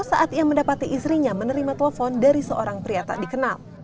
saat ia mendapati istrinya menerima telepon dari seorang pria tak dikenal